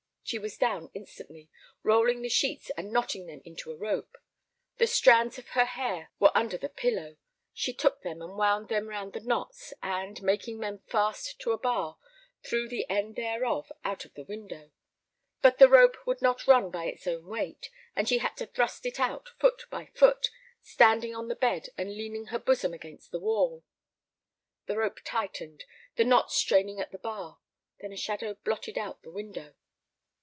She was down instantly, rolling the sheets and knotting them into a rope. The strands of her hair were under the pillow. She took them and wound them round the knots, and, making them fast to a bar, threw the end thereof out of the window. But the rope would not run by its own weight, and she had to thrust it out foot by foot, standing on the bed and leaning her bosom against the wall. The rope tightened, the knot straining at the bar. Then a shadow blotted out the window.